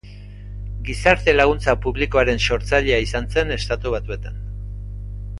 Gizarte laguntza publikoaren sortzailea izan zen Estatu Batuetan.